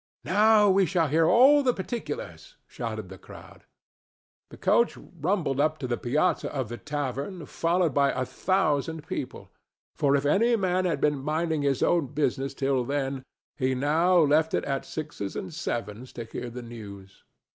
"Now we shall hear all the particulars!" shouted the crowd. The coach rumbled up to the piazza of the tavern followed by a thousand people; for if any man had been minding his own business till then, he now left it at sixes and sevens to hear the news.